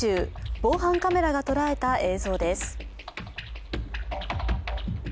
防犯カメラがとらえた映像です。